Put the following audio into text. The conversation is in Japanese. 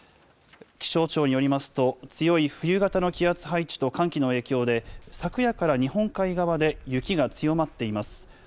気象庁によりますと、強い冬型の気圧配置と寒気の影響で、昨夜から日本海側で雪が強まっています。